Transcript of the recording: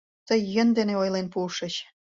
Тый йӧн дене ойлен пуышыч!